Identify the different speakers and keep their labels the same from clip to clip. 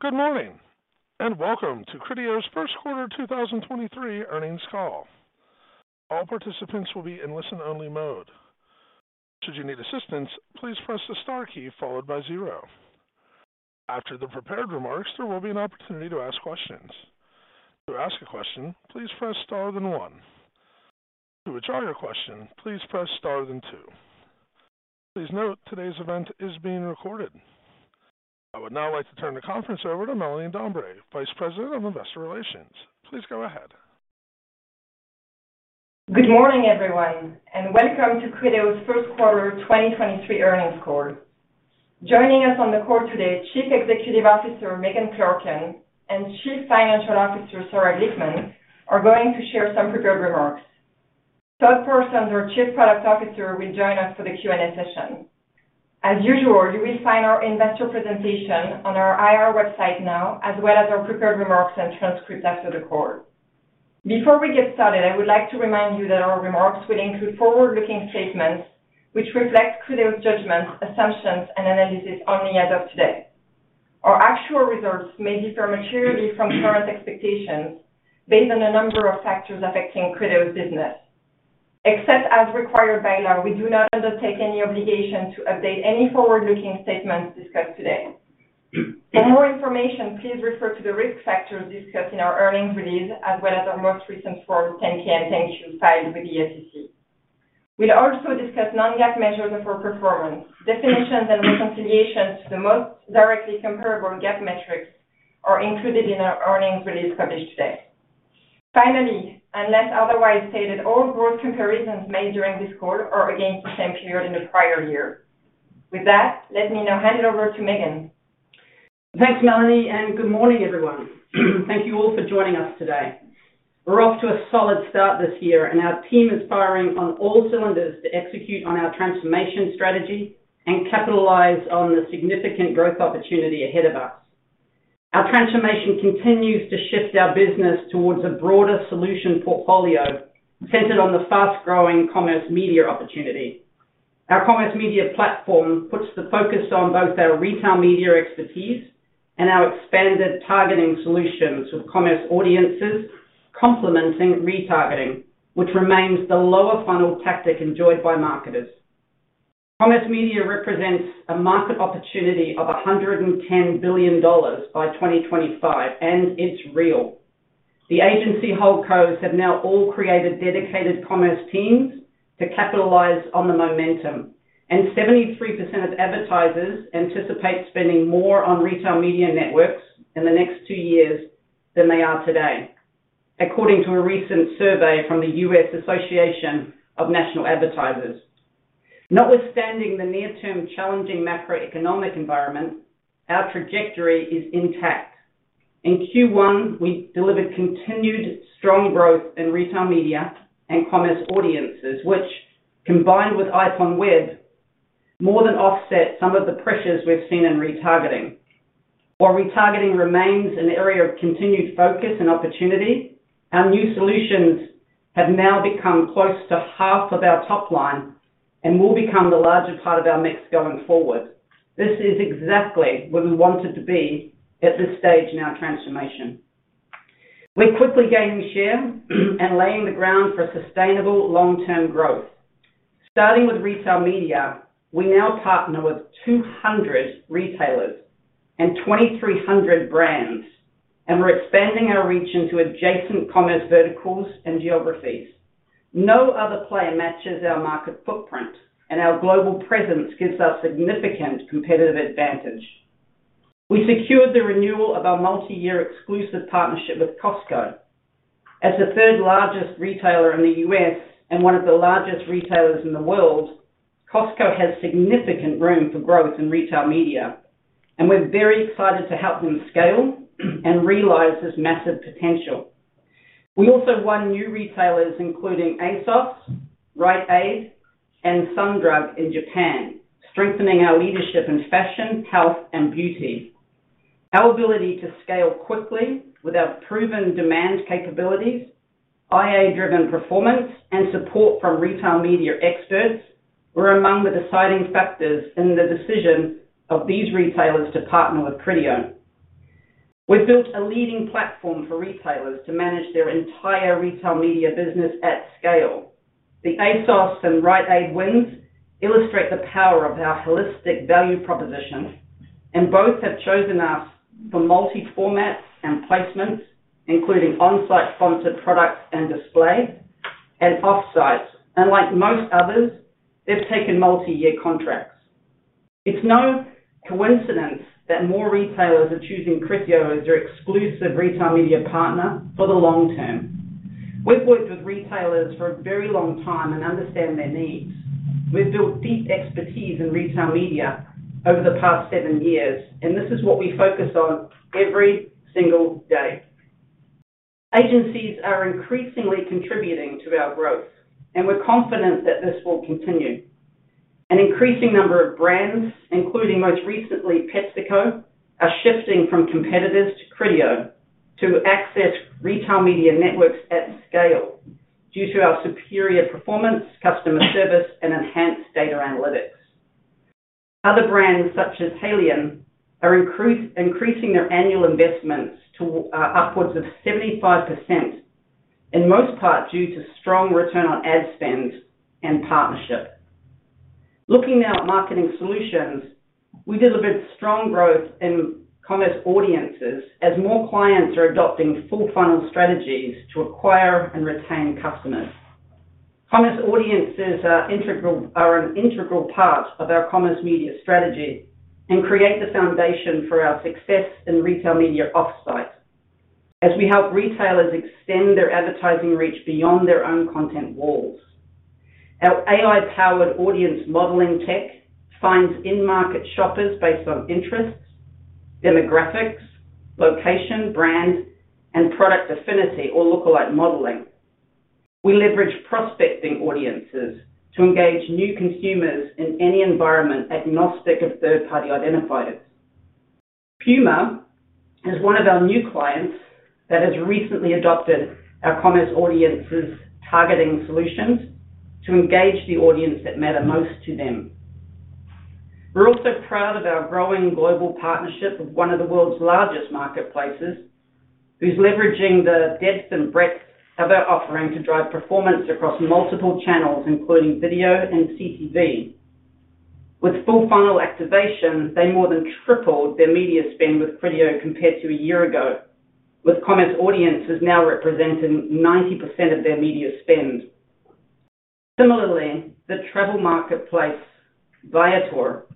Speaker 1: Good morning, welcome to Criteo's First Quarter 2023 Earnings Call. All participants will be in listen-only mode. Should you need assistance, please press the star key followed by zero. After the prepared remarks, there will be an opportunity to ask questions. To ask a question, please press star then one. To withdraw your question, please press star then. Please note today's event is being recorded. I would now like to turn the conference over to Mélanie Dambre, Vice President of Investor Relations. Please go ahead.
Speaker 2: Good morning, everyone, welcome to Criteo's First Quarter 2023 Earnings Call. Joining us on the call today, Chief Executive Officer Megan Clarken, and Chief Financial Officer Sarah Glickman, are going to share some prepared remarks. Todd Parsons, our Chief Product Officer, will join us for the Q&A session. As usual, you will find our investor presentation on our IR website now, as well as our prepared remarks and transcripts after the call. Before we get started, I would like to remind you that our remarks will include forward-looking statements which reflect Criteo's judgments, assumptions, and analysis on the as of today. Except as required by law, we do not undertake any obligation to update any forward-looking statements discussed today. For more information, please refer to the risk factors discussed in our earnings release as well as our most recent Form 10-K and 10-Q filed with the SEC. We'll also discuss non-GAAP measures of our performance. Definitions and reconciliation to the most directly comparable GAAP metrics are included in our earnings release coverage today. Finally, unless otherwise stated, all growth comparisons made during this call are against the same period in the prior year. With that, let me now hand it over to Megan.
Speaker 3: Thanks, Melanie. Good morning, everyone. Thank you all for joining us today. We're off to a solid start this year, and our team is firing on all cylinders to execute on our transformation strategy and capitalize on the significant growth opportunity ahead of us. Our transformation continues to shift our business towards a broader solution portfolio centered on the fast-growing commerce media opportunity. Our Commerce Media Platform puts the focus on both our retail media expertise and our expanded targeting solutions with commerce audiences complementing retargeting, which remains the lower funnel tactic enjoyed by marketers. Commerce media represents a market opportunity of $110 billion by 2025, and it's real. The agency holdcos have now all created dedicated commerce teams to capitalize on the momentum, and 73% of advertisers anticipate spending more on retail media networks in the next two years than they are today, according to a recent survey from the US Association of National Advertisers. Notwithstanding the near-term challenging macroeconomic environment, our trajectory is intact. In Q1, we delivered continued strong growth in retail media and commerce audiences, which, combined with Iponweb, more than offset some of the pressures we've seen in retargeting. While retargeting remains an area of continued focus and opportunity, our new solutions have now become close to half of our top line and will become the larger part of our mix going forward. This is exactly where we wanted to be at this stage in our transformation. We're quickly gaining share and laying the ground for sustainable long-term growth. Starting with retail media, we now partner with 200 retailers and 2,300 brands, and we're expanding our reach into adjacent commerce verticals and geographies. No other player matches our market footprint, and our global presence gives us significant competitive advantage. We secured the renewal of our multi-year exclusive partnership with Costco. As the third largest retailer in the U.S. and one of the largest retailers in the world, Costco has significant room for growth in retail media, and we're very excited to help them scale and realize this massive potential. We also won new retailers, including ASOS, Rite Aid, and Sundrug in Japan, strengthening our leadership in fashion, health, and beauty. Our ability to scale quickly with our proven demand capabilities, AI-driven performance, and support from retail media experts were among the deciding factors in the decision of these retailers to partner with Criteo. We've built a leading platform for retailers to manage their entire retail media business at scale. The ASOS and Rite Aid wins illustrate the power of our holistic value proposition, and both have chosen us for multi-format and placement, including on-site sponsored products and display and off-site. Unlike most others, they've taken multi-year contracts. It's no coincidence that more retailers are choosing Criteo as their exclusive retail media partner for the long term. We've worked with retailers for a very long time and understand their needs. We've built deep expertise in retail media over the past seven years, and this is what we focus on every single day. Agencies are increasingly contributing to our growth, and we're confident that this will continue. An increasing number of brands, including most recently PepsiCo, are shifting from competitors to Criteo to access retail media networks at scale. Due to our superior performance, customer service, and enhanced data analytics. Other brands such as Haleon are increasing their annual investments to upwards of 75%, in most part due to strong return on ad spend and partnership. Looking now at marketing solutions, we delivered strong growth in commerce audiences as more clients are adopting full-funnel strategies to acquire and retain customers. Commerce audiences are an integral part of our commerce media strategy and create the foundation for our success in retail media off-site as we help retailers extend their advertising reach beyond their own content walls. Our AI-powered audience modeling tech finds in-market shoppers based on interests, demographics, location, brand, and product affinity, or look-alike modeling. We leverage prospecting audiences to engage new consumers in any environment agnostic of third-party identifiers. PUMA is one of our new clients that has recently adopted our commerce audiences targeting solutions to engage the audience that matter most to them. We're also proud of our growing global partnership with one of the world's largest marketplaces, who's leveraging the depth and breadth of our offering to drive performance across multiple channels, including video and CTV. With full funnel activation, they more than tripled their media spend with Criteo compared to a year ago, with commerce audiences now representing 90% of their media spend. Similarly, the travel marketplace, Viator,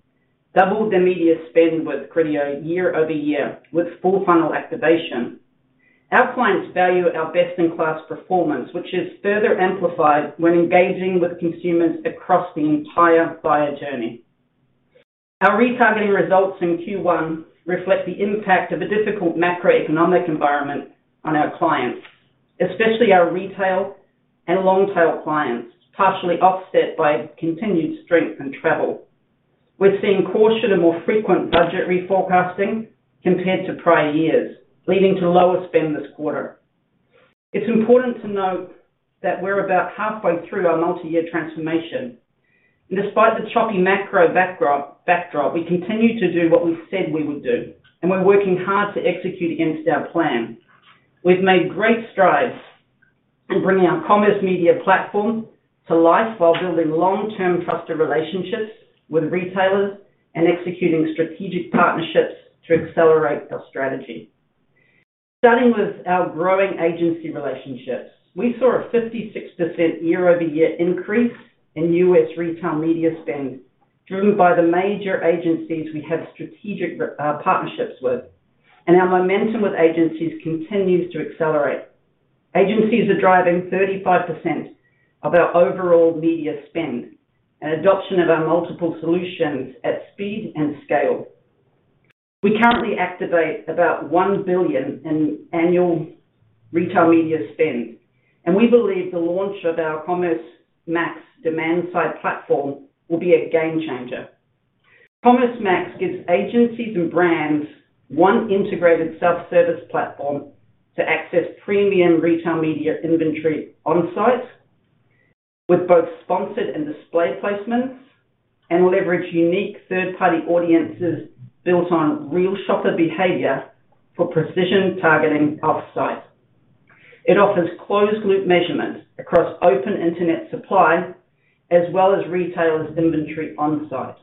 Speaker 3: doubled their media spend with Criteo year-over-year with full funnel activation. Our clients value our best-in-class performance, which is further amplified when engaging with consumers across the entire buyer journey. Our retargeting results in Q1 reflect the impact of a difficult macroeconomic environment on our clients, especially our retail and long-tail clients, partially offset by continued strength in travel. We're seeing caution and more frequent budget reforecasting compared to prior years, leading to lower spend this quarter. It's important to note that we're about halfway through our multi-year transformation. Despite the choppy macro backdrop, we continue to do what we said we would do, and we're working hard to execute against our plan. We've made great strides in bringing our Commerce Media Platform to life while building long-term trusted relationships with retailers and executing strategic partnerships to accelerate our strategy. Starting with our growing agency relationships, we saw a 56% year-over-year increase in U.S. retail media spend, driven by the major agencies we have strategic partnerships with. Our momentum with agencies continues to accelerate. Agencies are driving 35% of our overall media spend and adoption of our multiple solutions at speed and scale. We currently activate about $1 billion in annual retail media spend. We believe the launch of our Commerce Max demand side platform will be a game changer. Commerce Max gives agencies and brands 1 integrated self-service platform to access premium retail media inventory on site with both sponsored and display placements, leverage unique third-party audiences built on real shopper behavior for precision targeting offsite. It offers closed-loop measurements across open internet supply, as well as retailers' inventory on site.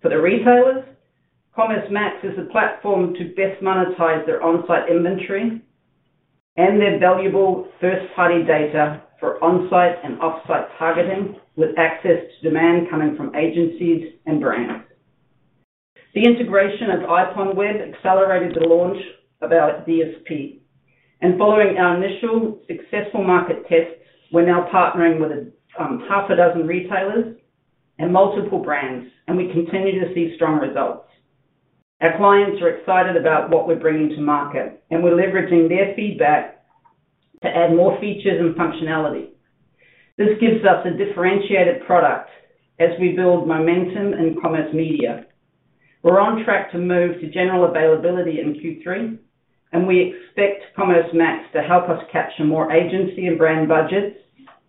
Speaker 3: For the retailers, Commerce Max is a platform to best monetize their on site inventory and their valuable first-party data for on site and off-site targeting with access to demand coming from agencies and brands. The integration of Iponweb accelerated the launch of our DSP. Following our initial successful market test, we're now partnering with half a dozen retailers and multiple brands. We continue to see strong results. Our clients are excited about what we're bringing to market. We're leveraging their feedback to add more features and functionality. This gives us a differentiated product as we build momentum in commerce media. We're on track to move to general availability in Q3. We expect Commerce Max to help us capture more agency and brand budgets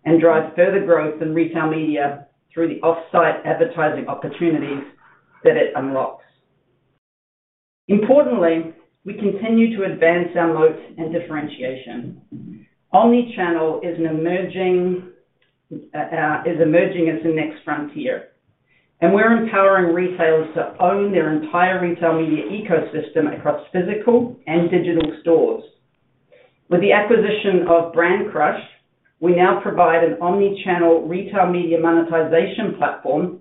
Speaker 3: and drive further growth in retail media through the off-site advertising opportunities that it unlocks. Importantly, we continue to advance our moats and differentiation. Omnichannel is an emerging as the next frontier. We're empowering retailers to own their entire retail media ecosystem across physical and digital stores. With the acquisition of Brandcrush, we now provide an omnichannel retail media monetization platform,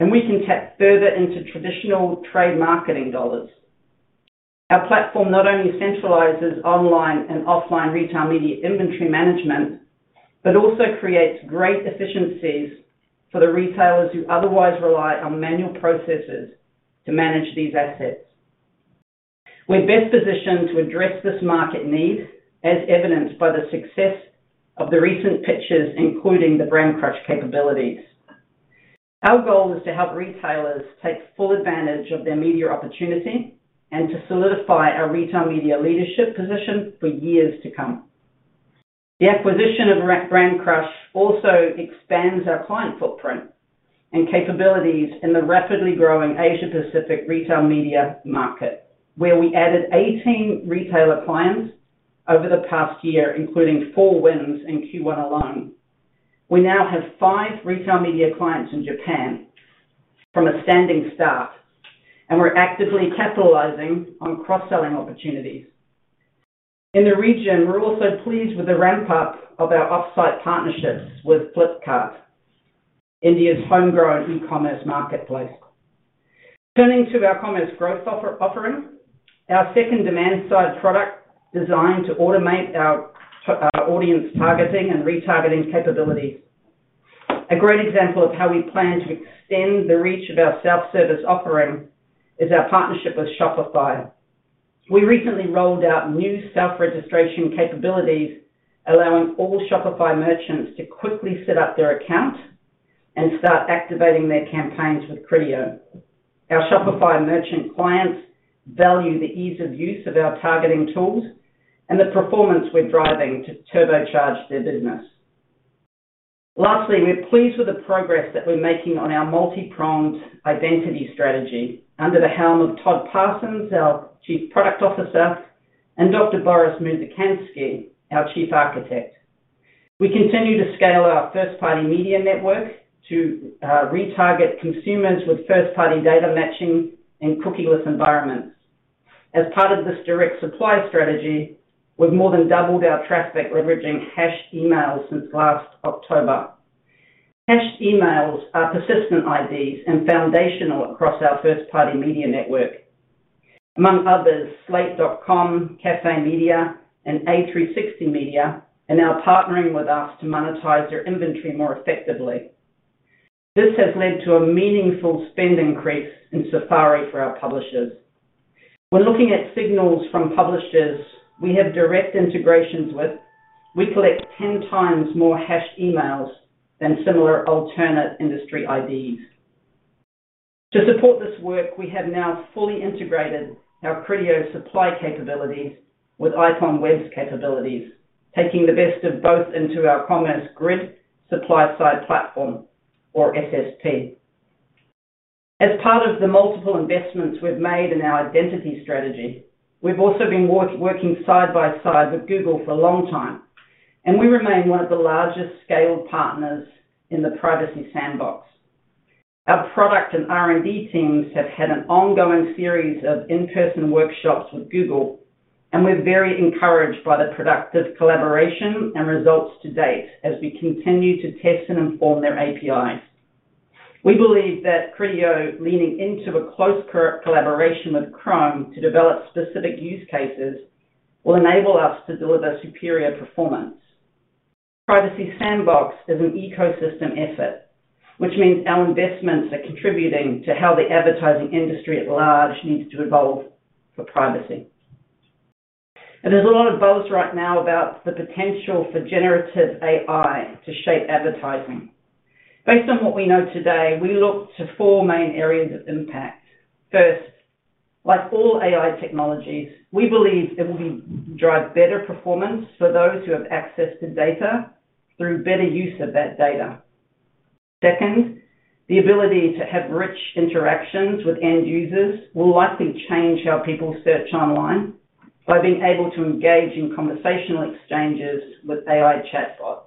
Speaker 3: and we can tap further into traditional trade marketing dollars. Our platform not only centralizes online and offline retail media inventory management, but also creates great efficiencies for the retailers who otherwise rely on manual processes to manage these assets. We're best positioned to address this market need, as evidenced by the success of the recent pitches, including the Brandcrush capabilities. Our goal is to help retailers take full advantage of their media opportunity and to solidify our retail media leadership position for years to come. The acquisition of Brandcrush also expands our client footprint and capabilities in the rapidly growing Asia-Pacific retail media market, where we added 18 retailer clients over the past year, including four wins in Q1 alone. We now have five retail media clients in Japan from a standing start, and we're actively capitalizing on cross-selling opportunities. In the region, we're also pleased with the ramp-up of our off-site partnerships with Flipkart, India's homegrown e-commerce marketplace. Turning to our Commerce Growth offering, our second demand-side product designed to automate our audience targeting and retargeting capabilities. A great example of how we plan to extend the reach of our self-service offering is our partnership with Shopify. We recently rolled out new self-registration capabilities, allowing all Shopify merchants to quickly set up their account and start activating their campaigns with Criteo. Our Shopify merchant clients value the ease of use of our targeting tools and the performance we're driving to turbocharge their business. Lastly, we're pleased with the progress that we're making on our multi-pronged identity strategy under the helm of Todd Parsons, our Chief Product Officer, and Dr. Boris Muzikantsky, our Chief Architect. We continue to scale our first-party media network to retarget consumers with first-party data matching in cookieless environments. As part of this direct supply strategy, we've more than doubled our traffic leveraging hashed emails since last October. Hashed emails are persistent IDs and foundational across our first-party media network. Among others, Slate.com, CafeMedia, and A360 Media are now partnering with us to monetize their inventory more effectively. This has led to a meaningful spend increase in Safari for our publishers. When looking at signals from publishers we have direct integrations with, we collect 10 times more hashed emails than similar alternate industry IDs. To support this work, we have now fully integrated our Criteo supply capabilities with Iponweb's capabilities, taking the best of both into our Commerce Grid Supply-Side Platform or SSP. As part of the multiple investments we've made in our identity strategy, we've also been working side by side with Google for a long time. We remain one of the largest scaled partners in the Privacy Sandbox. Our product and R&D teams have had an ongoing series of in-person workshops with Google. We're very encouraged by the productive collaboration and results to date as we continue to test and inform their API. We believe that Criteo leaning into a close collaboration with Chrome to develop specific use cases will enable us to deliver superior performance. Privacy Sandbox is an ecosystem effort, which means our investments are contributing to how the advertising industry at large needs to evolve for privacy. There's a lot of buzz right now about the potential for generative AI to shape advertising. Based on what we know today, we look to four main areas of impact. First, like all AI technologies, we believe it will drive better performance for those who have access to data through better use of that data. Second, the ability to have rich interactions with end users will likely change how people search online by being able to engage in conversational exchanges with AI chatbots.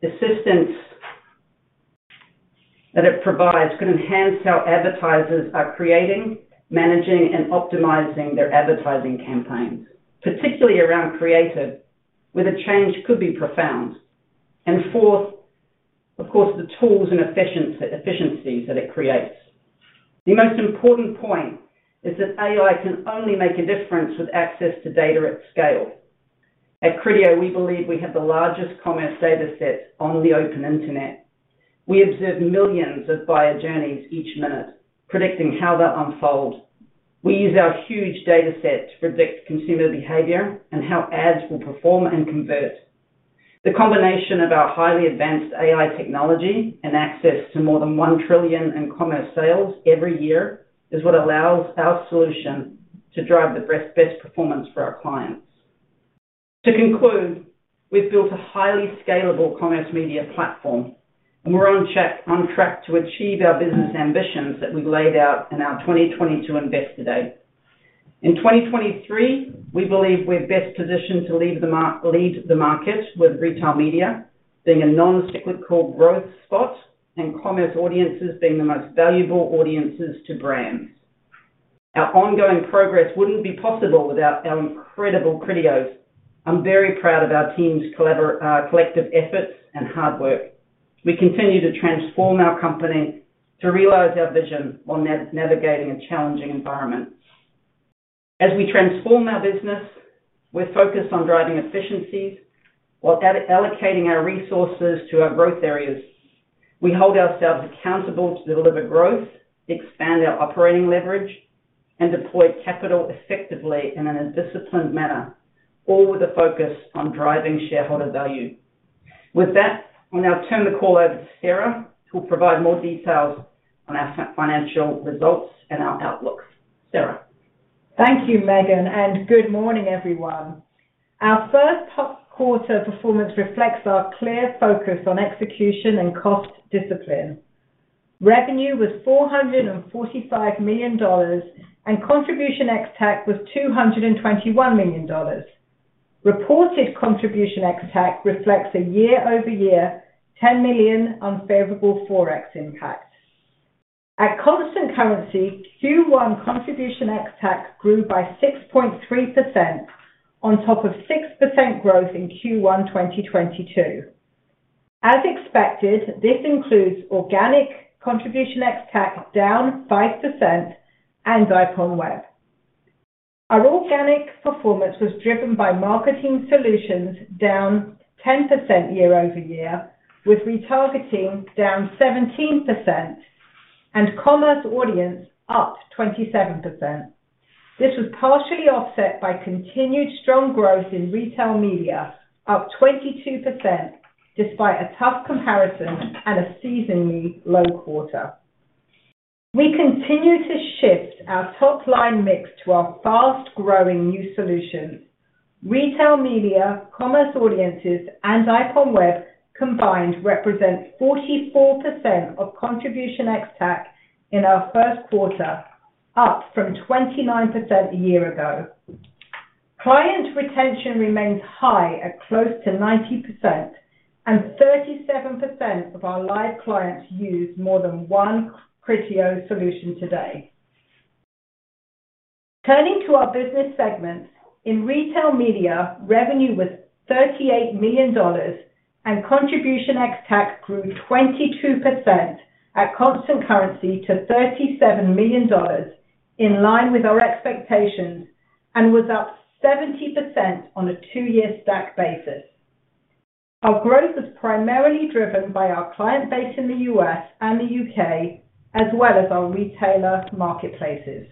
Speaker 3: Third, assistance that it provides could enhance how advertisers are creating, managing, and optimizing their advertising campaigns, particularly around creative, where the change could be profound. Fourth, of course, the tools and efficiencies that it creates. The most important point is that AI can only make a difference with access to data at scale. At Criteo, we believe we have the largest commerce data set on the open internet. We observe millions of buyer journeys each minute, predicting how they'll unfold. We use our huge data set to predict consumer behavior and how ads will perform and convert. The combination of our highly advanced AI technology and access to more than $1 trillion in commerce sales every year is what allows our solution to drive the best performance for our clients. To conclude, we've built a highly scalable Commerce Media Platform, and we're on track to achieve our business ambitions that we laid out in our 2022 Investor Day. In 2023, we believe we're best positioned to lead the market, with retail media being a non-cyclical growth spot and commerce audiences being the most valuable audiences to brands. Our ongoing progress wouldn't be possible without our incredible Criteos. I'm very proud of our team's collective efforts and hard work. We continue to transform our company to realize our vision while navigating a challenging environment. As we transform our business, we're focused on driving efficiencies while allocating our resources to our growth areas. We hold ourselves accountable to deliver growth, expand our operating leverage. Deploy capital effectively in a disciplined manner, all with a focus on driving shareholder value. With that, I'll now turn the call over to Sarah, who will provide more details on our financial results and our outlooks. Sarah.
Speaker 4: Thank you, Megan. Good morning, everyone. Our first top quarter performance reflects our clear focus on execution and cost discipline. Revenue was $445 million, and Contribution ex-TAC was $221 million. Reported Contribution ex-TAC reflects a year-over-year $10 million unfavorable Forex impact. At constant currency, Q1 Contribution ex-TAC grew by 6.3% on top of 6% growth in Q1 2022. As expected, this includes organic Contribution ex-TAC down 5% and IPONWEB. Our organic performance was driven by marketing solutions down 10% year-over-year, with retargeting down 17% and commerce audiences up 27%. This was partially offset by continued strong growth in retail media up 22% despite a tough comparison and a seasonally low quarter. We continue to shift our top-line mix to our fast-growing new solutions. Retail media, commerce audiences, and IPONWEB combined represent 44% of Contribution ex-TAC in our first quarter, up from 29% a year ago. Client retention remains high at close to 90%, and 37% of our live clients use more than one Criteo solution today. Turning to our business segments. In retail media, revenue was $38 million and Contribution ex-TAC grew 22% at constant currency to $37 million in line with our expectations and was up 70% on a 2-year stack basis. Our growth was primarily driven by our client base in the U.S. and the U.K., as well as our retailer marketplaces.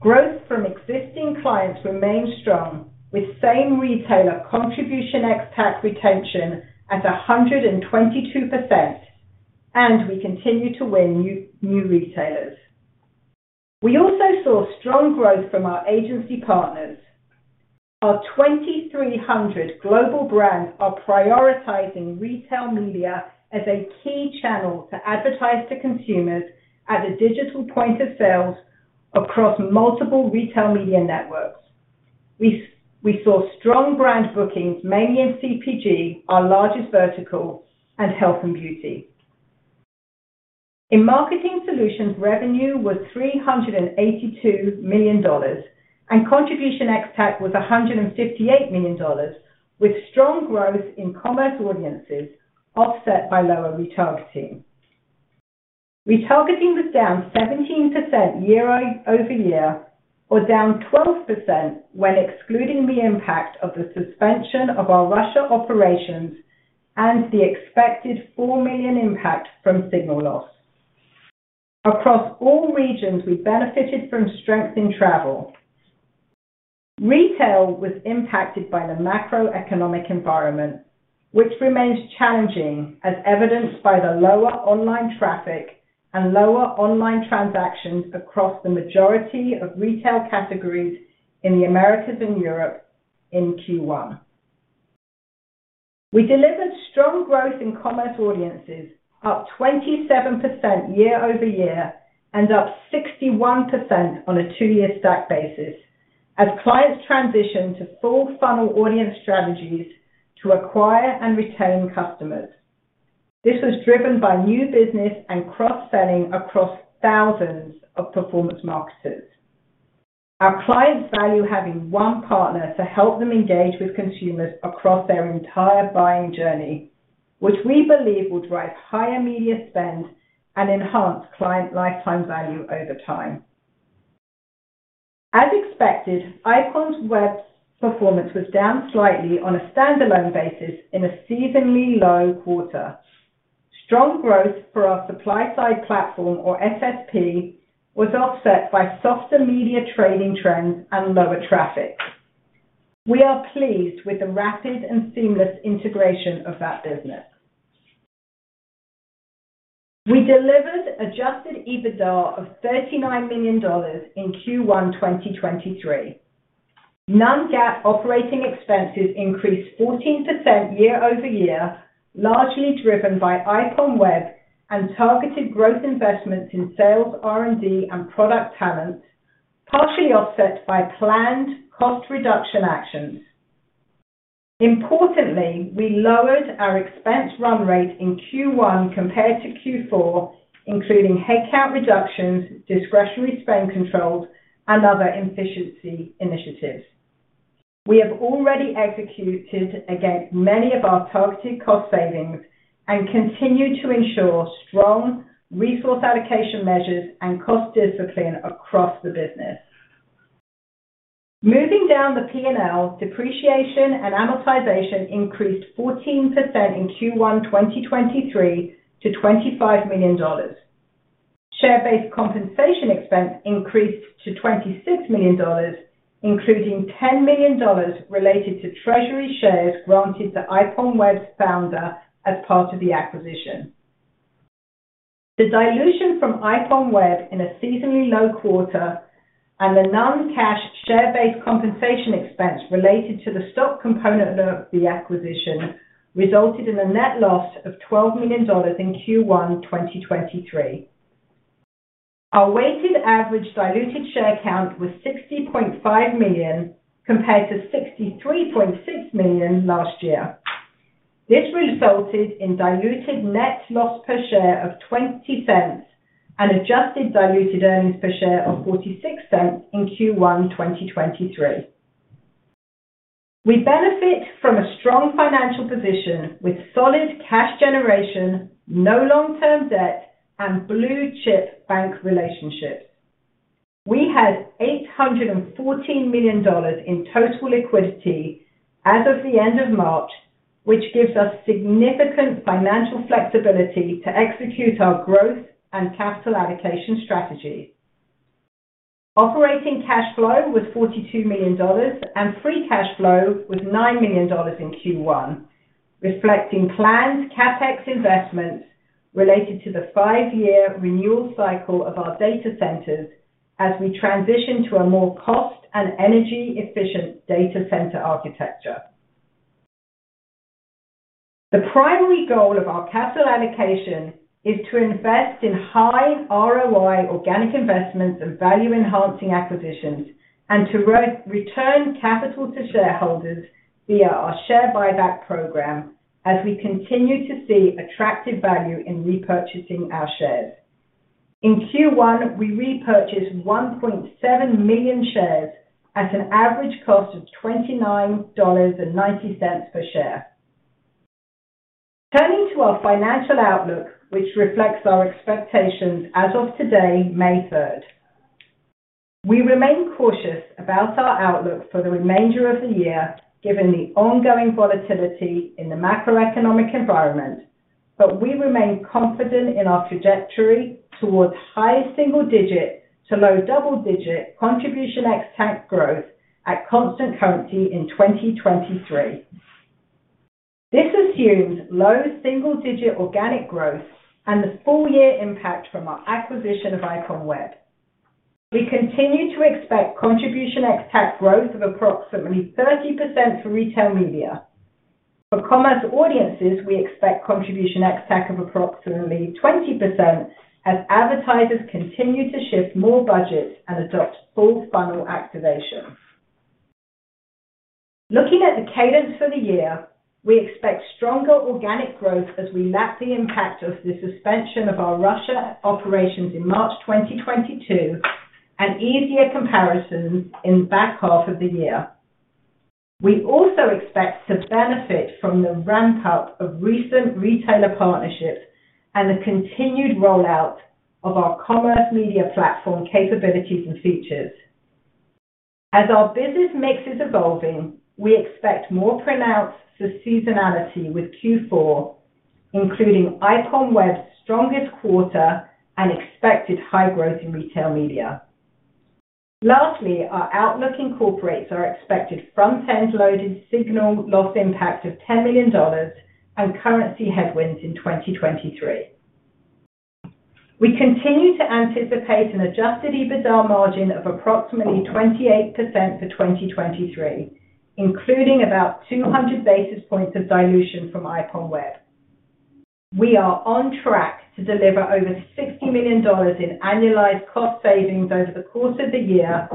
Speaker 4: Growth from existing clients remained strong, with same retailer Contribution ex-TAC retention at 122%, and we continue to win new retailers. We also saw strong growth from our agency partners. Our 2,300 global brands are prioritizing retail media as a key channel to advertise to consumers at a digital point of sales across multiple retail media networks. We saw strong brand bookings, mainly in CPG, our largest vertical, and health and beauty. In marketing solutions, revenue was $382 million, and Contribution ex-TAC was $158 million, with strong growth in commerce audiences offset by lower retargeting. Retargeting was down 17% year-over-year or down 12% when excluding the impact of the suspension of our Russia operations and the expected $4 million impact from signal loss. Across all regions, we benefited from strength in travel. Retail was impacted by the macroeconomic environment, which remains challenging as evidenced by the lower online traffic and lower online transactions across the majority of retail categories in the Americas and Europe in Q1. We delivered strong growth in commerce audiences, up 27% year-over-year and up 61% on a 2-year stack basis as clients transition to full funnel audience strategies to acquire and retain customers. This was driven by new business and cross-selling across thousands of performance marketers. Our clients value having one partner to help them engage with consumers across their entire buying journey, which we believe will drive higher media spend and enhance client lifetime value over time. As expected, IPONWEB performance was down slightly on a standalone basis in a seasonally low quarter. Strong growth for our supply-side platform, or SSP, was offset by softer media trading trends and lower traffic. We are pleased with the rapid and seamless integration of that business. We delivered Adjusted EBITDA of $39 million in Q1, 2023. Non-GAAP operating expenses increased 14% year-over-year, largely driven by IPONWEB and targeted growth investments in sales, R&D, and product talent, partially offset by planned cost reduction actions. Importantly, we lowered our expense run rate in Q1 compared to Q4, including headcount reductions, discretionary spend controls, and other efficiency initiatives. We have already executed against many of our targeted cost savings and continue to ensure strong resource allocation measures and cost discipline across the business. Moving down the P&L, depreciation and amortization increased 14% in Q1 2023 to $25 million. Share-based compensation expense increased to $26 million, including $10 million related to treasury shares granted to IPONWEB's founder as part of the acquisition. The dilution from IPONWEB in a seasonally low quarter and the non-cash share-based compensation expense related to the stock component of the acquisition resulted in a net loss of $12 million in Q1 2023. Our weighted average diluted share count was 60 million compared to 63.6 million last year. This resulted in diluted net loss per share of $0.20 and adjusted diluted earnings per share of $0.46 in Q1 2023. We benefit from a strong financial position with solid cash generation, no long-term debt, and blue-chip bank relationships. We had $814 million in total liquidity as of the end of March, which gives us significant financial flexibility to execute our growth and capital allocation strategy. Operating cash flow was $42 million, and free cash flow was $9 million in Q1, reflecting planned CapEx investments related to the 5-year renewal cycle of our data centers as we transition to a more cost and energy-efficient data center architecture. The primary goal of our capital allocation is to invest in high ROI organic investments and value-enhancing acquisitions, and to re-return capital to shareholders via our share buyback program as we continue to see attractive value in repurchasing our shares. In Q1, we repurchased 1.7 million shares at an average cost of $29.90 per share. Turning to our financial outlook, which reflects our expectations as of today, May 3rd. We remain cautious about our outlook for the remainder of the year, given the ongoing volatility in the macroeconomic environment, but we remain confident in our trajectory towards high single-digit to low double-digit Contribution ex-TAC growth at constant currency in 2023. This assumes low single-digit organic growth and the full year impact from our acquisition of Iponweb. We continue to expect Contribution ex-TAC growth of approximately 30% for retail media. For commerce audiences, we expect Contribution ex-TAC of approximately 20% as advertisers continue to shift more budgets and adopt full funnel activation. Looking at the cadence for the year, we expect stronger organic growth as we lap the impact of the suspension of our Russia operations in March 2022 and easier comparisons in the back half of the year. We also expect to benefit from the ramp-up of recent retailer partnerships and the continued rollout of our Commerce Media Platform capabilities and features. As our business mix is evolving, we expect more pronounced seasonality with Q4, including Iponweb's strongest quarter and expected high growth in retail media. Lastly, our outlook incorporates our expected front-end-loaded signal loss impact of $10 million and currency headwinds in 2023. We continue to anticipate an Adjusted EBITDA margin of approximately 28% for 2023, including about 200 basis points of dilution from Iponweb. We are on track to deliver over $60 million in annualized cost savings over the course of the year,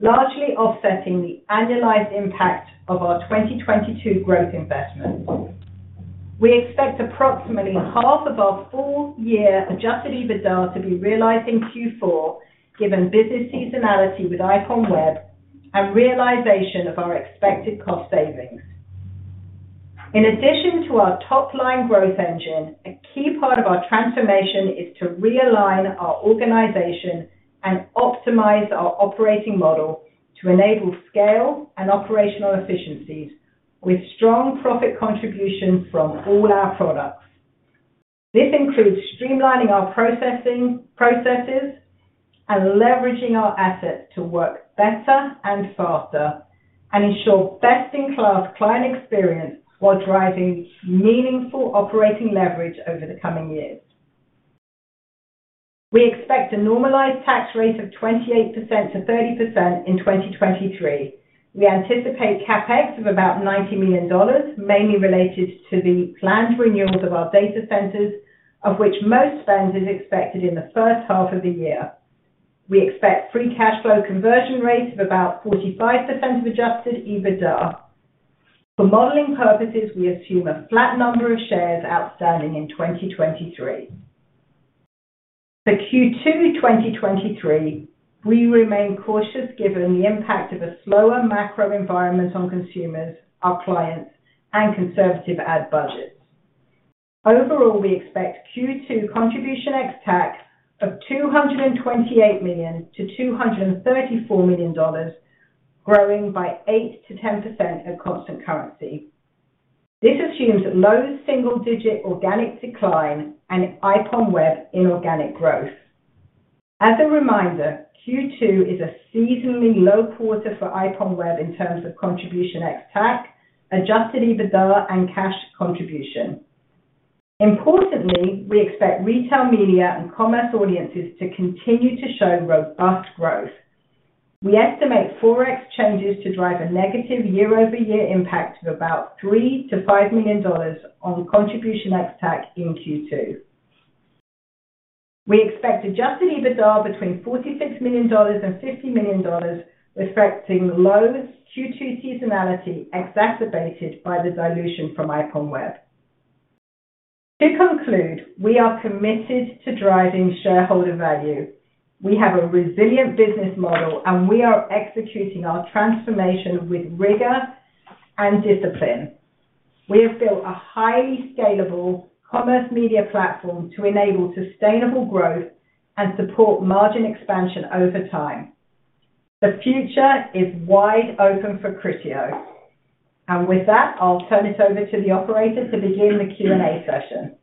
Speaker 4: largely offsetting the annualized impact of our 2022 growth investments. We expect approximately half of our full year Adjusted EBITDA to be realized in Q4, given business seasonality with Iponweb and realization of our expected cost savings. In addition to our top-line growth engine, a key part of our transformation is to realign our organization and optimize our operating model to enable scale and operational efficiencies with strong profit contribution from all our products. This includes streamlining our processes and leveraging our assets to work better and faster, and ensure best-in-class client experience while driving meaningful operating leverage over the coming years. We expect a normalized tax rate of 28%-30% in 2023. We anticipate CapEx of about $90 million, mainly related to the planned renewals of our data centers, of which most spend is expected in the first half of the year. We expect free cash flow conversion rates of about 45% of Adjusted EBITDA. For modeling purposes, we assume a flat number of shares outstanding in 2023. For Q2 2023, we remain cautious given the impact of a slower macro environment on consumers, our clients, and conservative ad budgets. We expect Q2 Contribution ex-TAC of $228 million-$234 million, growing by 8%-10% at constant currency. This assumes low single-digit organic decline and Iponweb inorganic growth. Q2 is a seasonally low quarter for Iponweb in terms of Contribution ex-TAC, Adjusted EBITDA, and cash contribution. We expect retail media and commerce audiences to continue to show robust growth. We estimate ForEx changes to drive a negative year-over-year impact of about $3 million-$5 million on Contribution ex-TAC in Q2. We expect Adjusted EBITDA between $46 million and $50 million, reflecting low Q2 seasonality exacerbated by the dilution from Iponweb. To conclude, we are committed to driving shareholder value. We have a resilient business model, and we are executing our transformation with rigor and discipline. We have built a highly scalable Commerce Media Platform to enable sustainable growth and support margin expansion over time. The future is wide open for Criteo. With that, I'll turn it over to the operator to begin the Q&A session.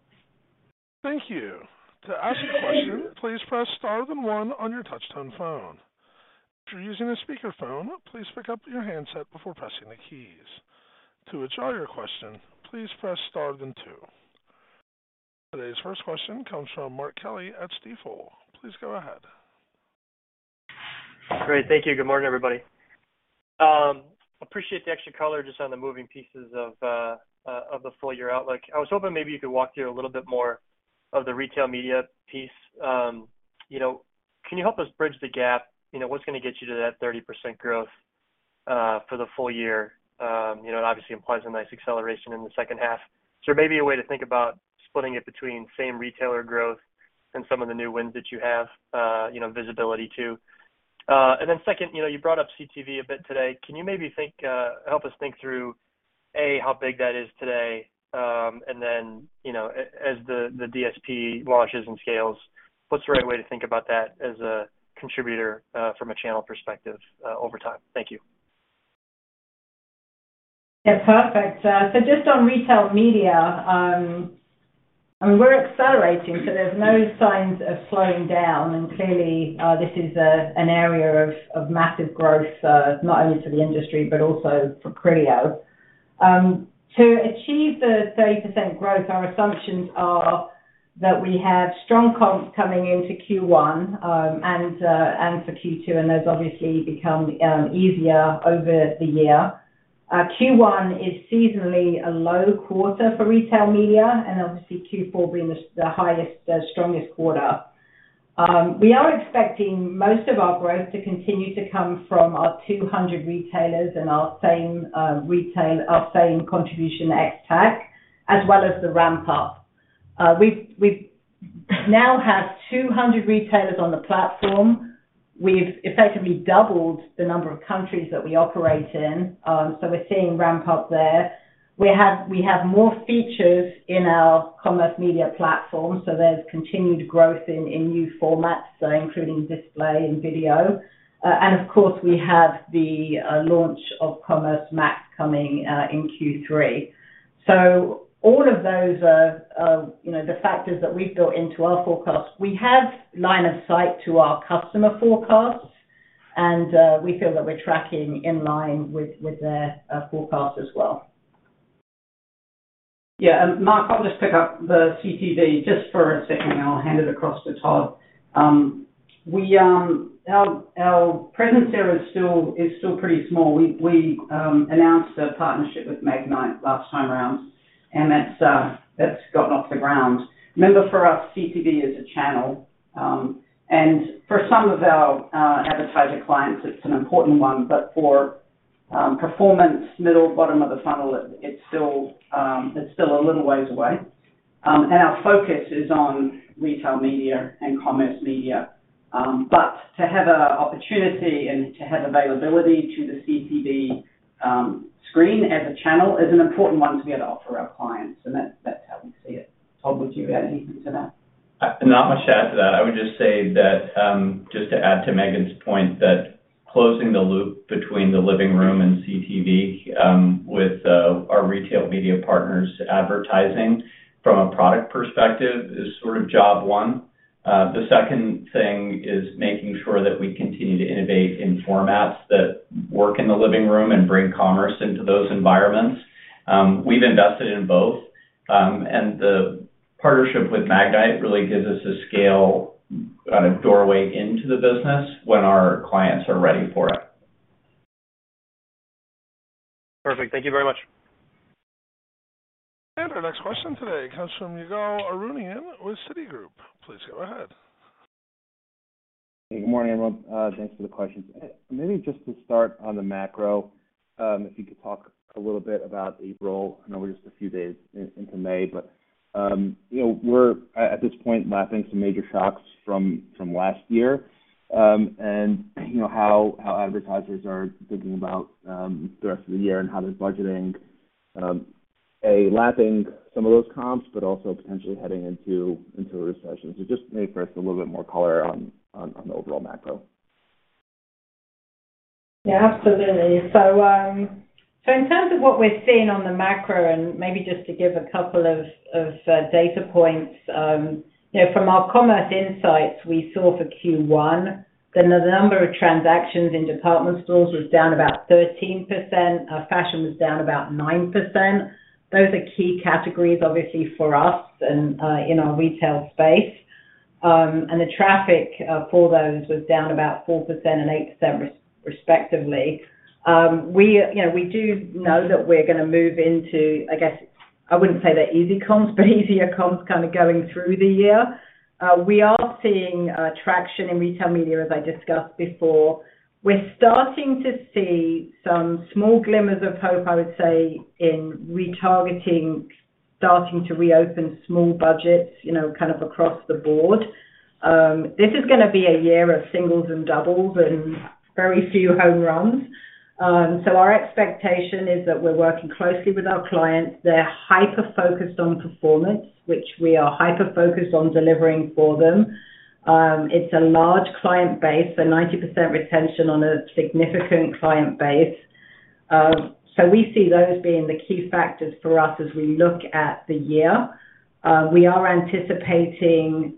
Speaker 1: Thank you. To ask a question, please press Star then one on your touchtone phone. If you're using a speakerphone, please pick up your handset before pressing the keys. To withdraw your question, please press Star then two. Today's first question comes from Mark Kelley at Stifel. Please go ahead.
Speaker 5: Great. Thank you. Good morning, everybody. Appreciate the extra color just on the moving pieces of the full year outlook. I was hoping maybe you could walk through a little bit more of the retail media piece. You know, can you help us bridge the gap, you know, what's gonna get you to that 30% growth for the full year? You know, obviously implies a nice acceleration in the second half. Is there maybe a way to think about splitting it between same retailer growth and some of the new wins that you have, you know, visibility to? Second, you know, you brought up CTV a bit today. Can you maybe think, help us think through, A, how big that is today? Then, you know, as the DSP launches and scales, what's the right way to think about that as a contributor from a channel perspective over time? Thank you.
Speaker 4: Yeah. Perfect. Just on retail media, I mean, we're accelerating, there's no signs of slowing down. Clearly, this is an area of massive growth, not only for the industry but also for Criteo. To achieve the 30% growth, our assumptions are that we have strong comps coming into Q1, for Q2, those obviously become easier over the year. Q1 is seasonally a low quarter for retail media, obviously Q4 being the highest, strongest quarter. We are expecting most of our growth to continue to come from our 200 retailers and our same retail, our same Contribution ex-TAC, as well as the ramp up. We now have 200 retailers on the platform. We've effectively doubled the number of countries that we operate in, so we're seeing ramp up there. We have more features in our Commerce Media Platform, so there's continued growth in new formats, including display and video. Of course, we have the launch of Commerce Max coming in Q3. All of those are, you know, the factors that we've built into our forecast. We have line of sight to our customer forecasts, and we feel that we're tracking in line with their forecast as well. Mark, I'll just pick up the CTV just for a second, and I'll hand it across to Todd. We, our presence there is still pretty small. We announced a partnership with Magnite last time around, and that's gotten off the ground. Remember, for us, CTV is a channel, and for some of our advertiser clients, it's an important one. For performance, middle, bottom of the funnel, it's still a little ways away. Our focus is on retail media and commerce media. To have a opportunity and to have availability to the CTV screen as a channel is an important one to be able to offer our clients. That's how we see it. Todd, would you add anything to that?
Speaker 6: Not much to add to that. I would just say that, just to add to Megan's point, that closing the loop between the living room and CTV, with our retail media partners advertising from a product perspective is sort of job one. The second thing is making sure that we continue to innovate in formats that work in the living room and bring commerce into those environments. We've invested in both. The partnership with Magnite really gives us a scale and a doorway into the business when our clients are ready for it.
Speaker 5: Perfect. Thank you very much.
Speaker 1: Our next question today comes from Ygal Arounian with Citigroup. Please go ahead.
Speaker 7: Good morning, everyone. Thanks for the questions. Maybe just to start on the macro, if you could talk a little bit about April. I know we're just a few days into May, but, you know, we're at this point mapping some major shocks from last year. You know, how advertisers are thinking about the rest of the year and how there's budgeting, lapping some of those comps, but also potentially heading into a recession. Just maybe for us a little bit more color on the overall macro.
Speaker 4: Absolutely. In terms of what we're seeing on the macro, and maybe just to give a couple of data points, you know, from our commerce insights, we saw for Q1 that the number of transactions in department stores was down about 13%. Fashion was down about 9%. Those are key categories obviously for us and in our retail space. The traffic for those was down about 4% and 8% respectively. We, you know, we do know that we're gonna move into, I guess, I wouldn't say they're easy comps, but easier comps kind of going through the year. We are seeing traction in Retail Media, as I discussed before. We're starting to see some small glimmers of hope, I would say, in retargeting, starting to reopen small budgets, you know, kind of across the board. This is gonna be a year of singles and doubles and very few home runs. Our expectation is that we're working closely with our clients. They're hyper-focused on performance, which we are hyper-focused on delivering for them. It's a large client base, a 90% retention on a significant client base. We see those being the key factors for us as we look at the year. We are anticipating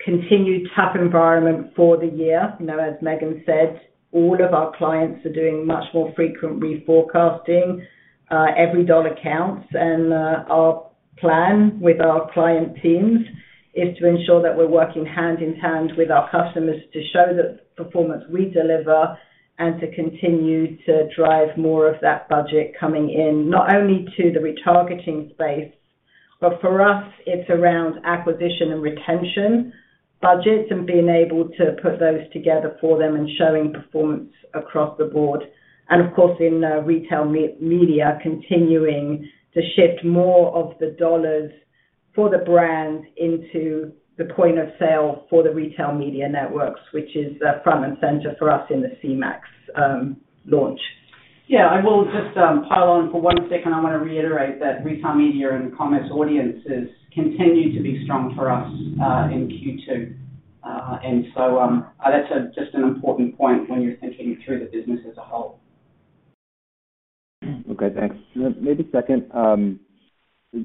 Speaker 4: continued tough environment for the year. You know, as Megan said, all of our clients are doing much more frequent reforecasting. Every dollar counts. Our plan with our client teams is to ensure that we're working hand in hand with our customers to show the performance we deliver and to continue to drive more of that budget coming in, not only to the retargeting space, but for us, it's around acquisition and retention budgets and being able to put those together for them and showing performance across the board. Of course, in retail media, continuing to shift more of the dollars for the brand into the point of sale for the retail media networks, which is front and center for us in the Cmax launch.
Speaker 6: Yeah. I will just pile on for one second. I wanna reiterate that retail media and commerce audiences continue to be strong for us in Q2. That's just an important point when you're thinking through the business as a whole.
Speaker 7: Okay. Thanks. Maybe second,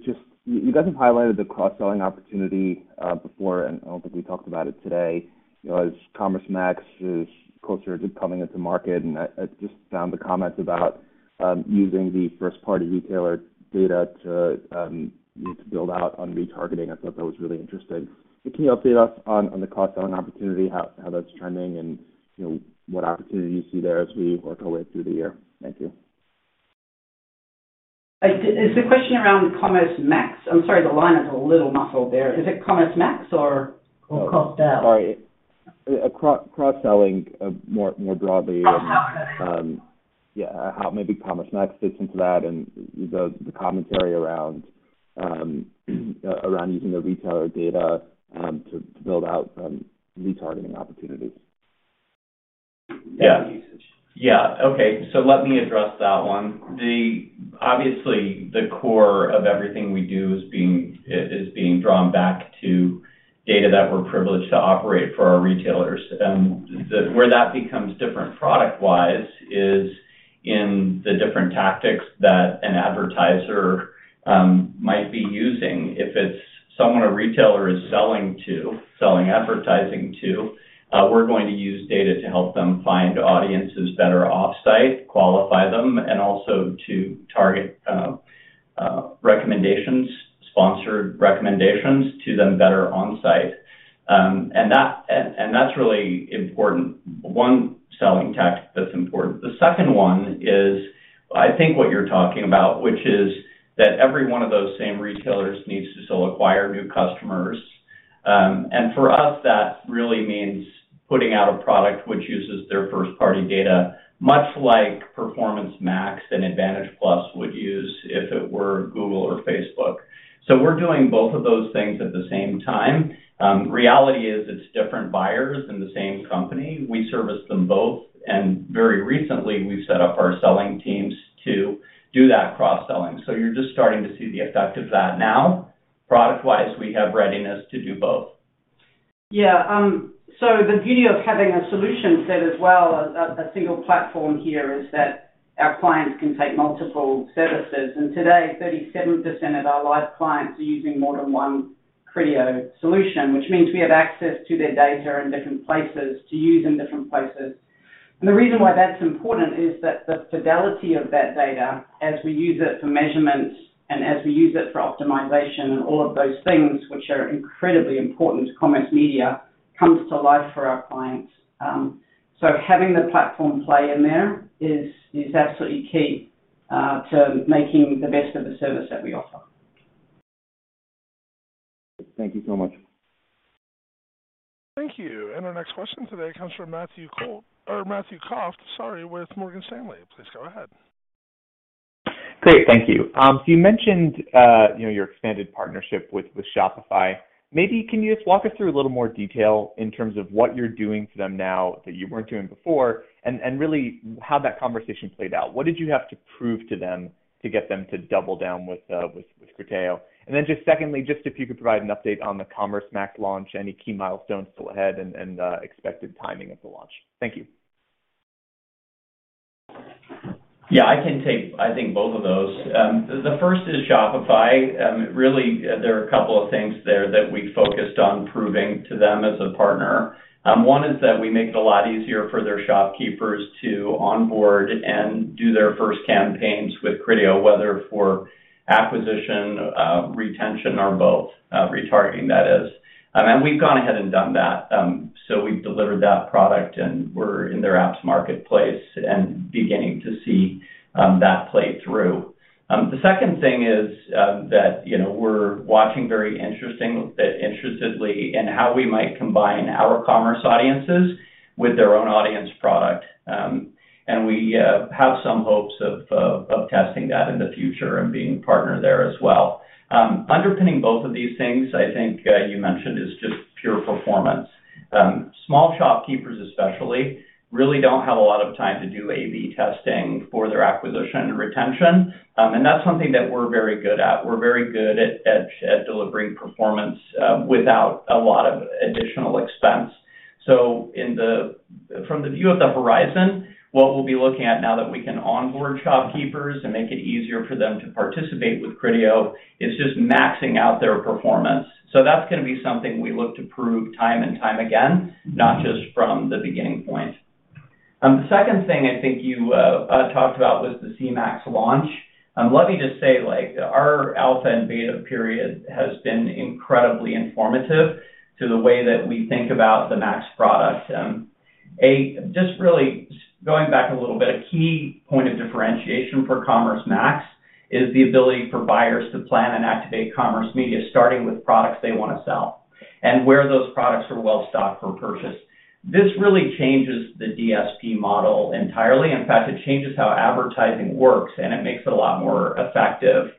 Speaker 7: just you guys have highlighted the cross-selling opportunity before, I don't think we talked about it today. You know, as Commerce Max is closer to coming into market, I just found the comments about using the first-party retailer data to, you know, to build out on retargeting. I thought that was really interesting. Can you update us on the cross-selling opportunity, how that's trending and, you know, what opportunities you see there as we work our way through the year? Thank you.
Speaker 4: Is the question around Commerce Max? I'm sorry, the line is a little muffled there. Is it Commerce Max or cross-sell?
Speaker 7: Sorry. cross-selling, more broadly.
Speaker 4: Oh, got it.
Speaker 7: Yeah, how maybe Commerce Max fits into that and the commentary around using the retailer data, to build out retargeting opportunities.
Speaker 6: Yeah. Yeah. Okay. Let me address that one. Obviously, the core of everything we do is being drawn back to data that we're privileged to operate for our retailers. Where that becomes different product-wise is in the different tactics that an advertiser might be using. If it's someone a retailer is selling advertising to, we're going to use data to help them find audiences that are offsite, qualify them, and also to target recommendations, sponsored recommendations to them that are on site. And that's really important. One selling tactic that's important. The second one is, I think what you're talking about, which is that every one of those same retailers needs to still acquire new customers. For us, that really means putting out a product which uses their first party data, much like Performance Max and Advantage+ would use if it were Google or Facebook. We're doing both of those things at the same time. Reality is it's different buyers in the same company. We service them both, and very recently, we've set up our selling teams to do that cross-selling. You're just starting to see the effect of that now. Product-wise, we have readiness to do both.
Speaker 4: The beauty of having a solution set as well, a single platform here is that our clients can take multiple services. Today, 37% of our live clients are using more than one Criteo solution, which means we have access to their data in different places to use in different places. The reason why that's important is that the fidelity of that data as we use it for measurement and as we use it for optimization and all of those things which are incredibly important to Commerce Media, comes to life for our clients. Having the platform play in there is absolutely key to making the best of the service that we offer.
Speaker 7: Thank you so much.
Speaker 1: Thank you. Our next question today comes from Matthew Cost or Matthew Cofft, sorry, with Morgan Stanley. Please go ahead.
Speaker 8: Great. Thank you. You mentioned, you know, your expanded partnership with Shopify. Maybe can you just walk us through a little more detail in terms of what you're doing for them now that you weren't doing before, and really how that conversation played out? What did you have to prove to them to get them to double down with Criteo? Then just secondly, just if you could provide an update on the Commerce Max launch, any key milestones still ahead and expected timing of the launch. Thank you.
Speaker 6: I can take, I think, both of those. The first is Shopify. Really, there are a couple of things there that we focused on proving to them as a partner. One is that we make it a lot easier for their shopkeepers to onboard and do their first campaigns with Criteo, whether for acquisition, retention or both, retargeting, that is. We've gone ahead and done that. So we've delivered that product, and we're in their apps marketplace and beginning to see, that play through. The second thing is, that, you know, we're watching very interestedly in how we might combine our commerce audiences with their own audience product. We have some hopes of testing that in the future and being partnered there as well. Underpinning both of these things, I think, you mentioned is just pure performance. Small shopkeepers especially really don't have a lot of time to do AB testing for their acquisition and retention, and that's something that we're very good at. We're very good at delivering performance without a lot of additional expense. From the view of the horizon, what we'll be looking at now that we can onboard shopkeepers and make it easier for them to participate with Criteo is just maxing out their performance. That's gonna be something we look to prove time and time again, not just from the beginning point. The second thing I think you talked about was the C Max launch. Let me just say, like, our alpha and beta period has been incredibly informative to the way that we think about the Max product. Just really going back a little bit, a key point of differentiation for Commerce Max is the ability for buyers to plan and activate commerce media, starting with products they wanna sell and where those products are well stocked for purchase. This really changes the DSP model entirely. In fact, it changes how advertising works, and it makes it a lot more effective.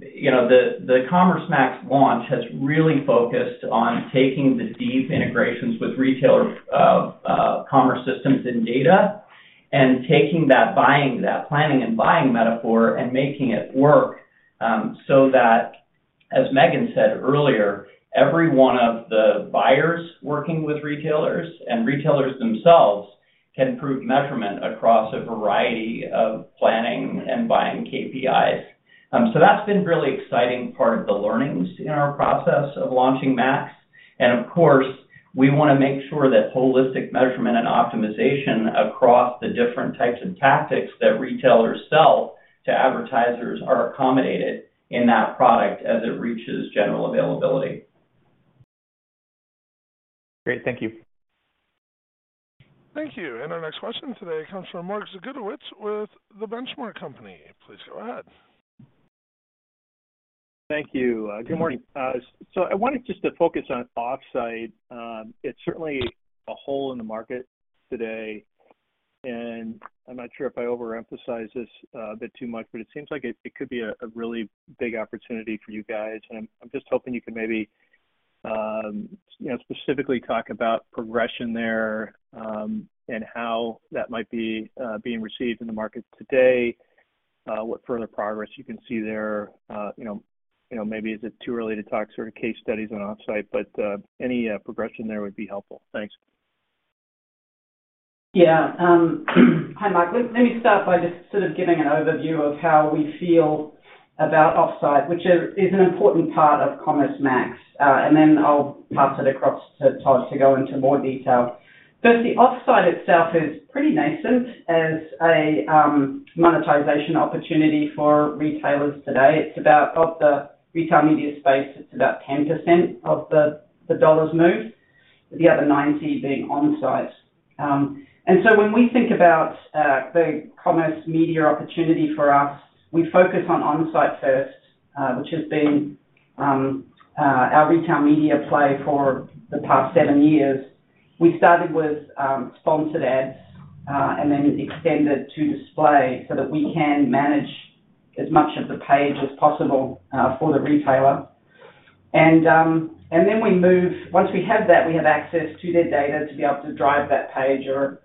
Speaker 6: You know, the Commerce Max launch has really focused on taking the deep integrations with retailers' commerce systems and data and taking that buying, that planning and buying metaphor and making it work, so that, as Megan said earlier, every one of the buyers working with retailers and retailers themselves can prove measurement across a variety of planning and buying KPIs. That's been really exciting part of the learnings in our process of launching Max. Of course, we wanna make sure that holistic measurement and optimization across the different types of tactics that retailers sell to advertisers are accommodated in that product as it reaches general availability.
Speaker 8: Great. Thank you.
Speaker 1: Thank you. Our next question today comes from Mark Zgutowicz with The Benchmark Company. Please go ahead.
Speaker 9: Thank you. Good morning. I wanted just to focus on offsite. It's certainly a hole in the market today, and I'm not sure if I overemphasize this a bit too much, but it seems like it could be a really big opportunity for you guys. I'm just hoping you can maybe, you know, specifically talk about progression there, and how that might be being received in the market today, what further progress you can see there. You know, maybe is it too early to talk sort of case studies on offsite, but any progression there would be helpful. Thanks.
Speaker 3: Yeah. Hi, Mark. Let me start by just sort of giving an overview of how we feel about off-site, which is an important part of Commerce Max. Then I'll pass it across to Todd to go into more detail. First, the off-site itself is pretty nascent as a monetization opportunity for retailers today. It's about, of the retail media space, it's about 10% of the dollars moved, with the other 90 being on-site. So when we think about the commerce media opportunity for us, we focus on on-site first, which has been our retail media play for the past seven years. We started with sponsored ads, then extended to display so that we can manage as much of the page as possible for the retailer. Then we move... Once we have that, we have access to their data to be able to drive that page or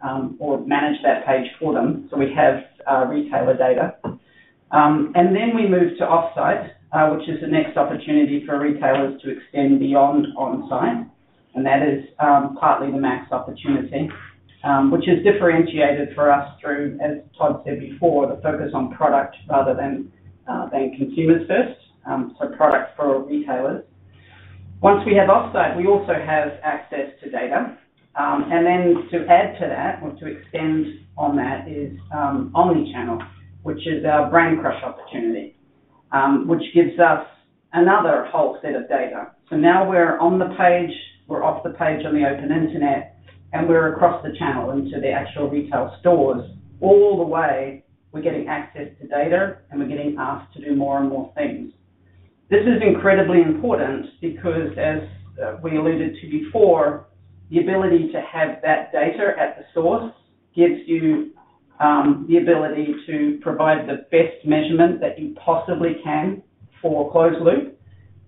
Speaker 3: manage that page for them. We have retailer data. We move to offsite, which is the next opportunity for retailers to extend beyond on-site, and that is partly the Max opportunity, which is differentiated for us through, as Todd said before, the focus on product rather than consumers first, so product for retailers. Once we have offsite, we also have access to data. To add to that or to extend on that is omni-channel, which is our Brandcrush opportunity, which gives us another whole set of data. Now we're on the page, we're off the page on the open internet, and we're across the channel into the actual retail stores. All the way, we're getting access to data, and we're getting asked to do more and more things. This is incredibly important because as we alluded to before, the ability to have that data at the source gives you the ability to provide the best measurement that you possibly can for closed loop,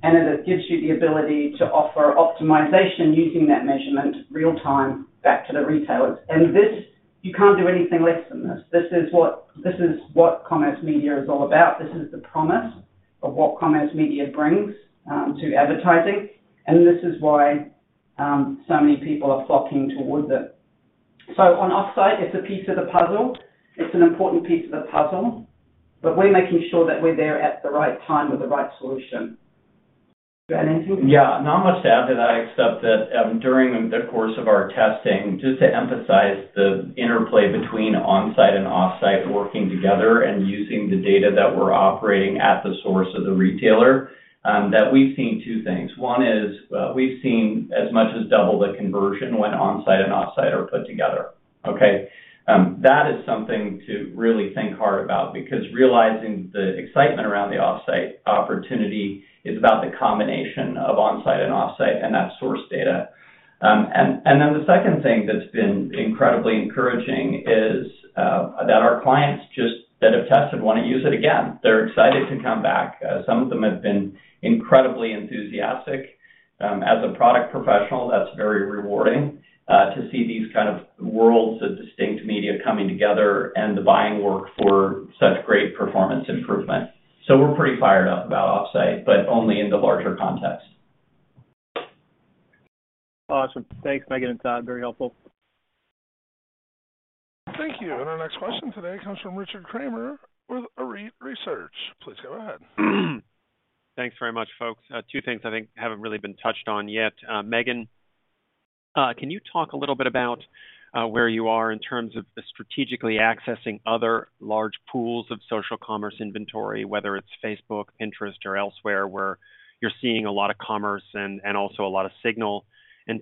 Speaker 3: and it gives you the ability to offer optimization using that measurement real-time back to the retailers. This, you can't do anything less than this. This is what commerce media is all about. This is the promise of what commerce media brings to advertising, and this is why so many people are flocking towards it. On off-site, it's a piece of the puzzle. It's an important piece of the puzzle, but we're making sure that we're there at the right time with the right solution. You have anything?
Speaker 6: Yeah. Not much to add to that except that, during the course of our testing, just to emphasize the interplay between on-site and off-site working together and using the data that we're operating at the source of the retailer, that we've seen two things. One is, we've seen as much as double the conversion when on-site and off-site are put together. Okay? That is something to really think hard about because realizing the excitement around the off-site opportunity is about the combination of on-site and off-site and that source data. And then the second thing that's been incredibly encouraging is that our clients just that have tested want to use it again. They're excited to come back. Some of them have been incredibly enthusiastic. As a product professional, that's very rewarding to see these kind of worlds of distinct media coming together and the buying work for such great performance improvement. We're pretty fired up about off-site, but only in the larger context.
Speaker 10: Awesome. Thanks, Megan and Todd. Very helpful.
Speaker 1: Thank you. Our next question today comes from Richard Kramer with Arete Research. Please go ahead.
Speaker 10: Thanks very much, folks. Two things I think haven't really been touched on yet. Megan, can you talk a little bit about where you are in terms of strategically accessing other large pools of social commerce inventory, whether it's Facebook, Pinterest, or elsewhere, where you're seeing a lot of commerce and also a lot of signal?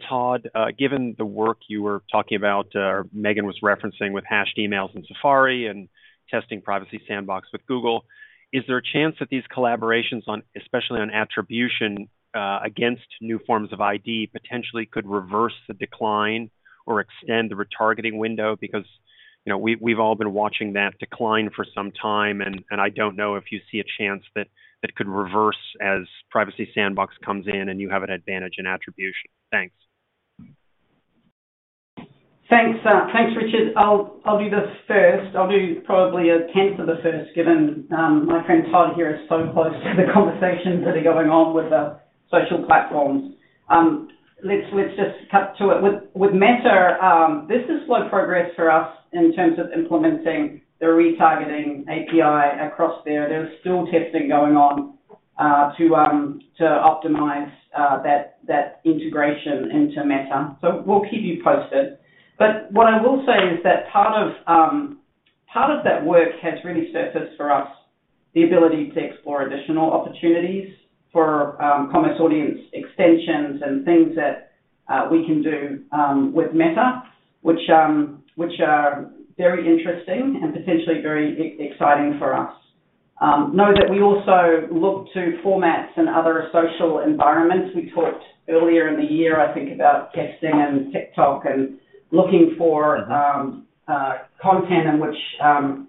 Speaker 10: Todd, given the work you were talking about, Megan was referencing with hashed emails in Safari and testing Privacy Sandbox with Google, is there a chance that these collaborations on, especially on attribution, against new forms of ID potentially could reverse the decline or extend the retargeting window? You know, we've all been watching that decline for some time, and I don't know if you see a chance that it could reverse as Privacy Sandbox comes in and you have an advantage in attribution. Thanks.
Speaker 3: Thanks, thanks, Richard. I'll do the first. I'll do probably a tenth of the first, given my friend Todd here is so close to the conversations that are going on with the social platforms. Let's just cut to it. With Meta, this is slow progress for us in terms of implementing the retargeting API across there. There's still testing going on to optimize that integration into Meta. We'll keep you posted. What I will say is that part of that work has really surfaced for us the ability to explore additional opportunities for commerce audience extensions and things that we can do with Meta, which are very interesting and potentially very exciting for us. Know that we also look to formats and other social environments. We talked earlier in the year, I think, about testing and TikTok and looking for content in